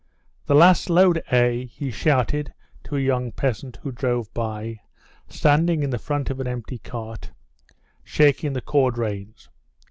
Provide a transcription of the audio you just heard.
"The last load, eh?" he shouted to a young peasant, who drove by, standing in the front of an empty cart, shaking the cord reins.